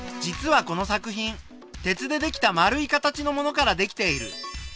実はこの作品鉄でできた丸い形のものからできている。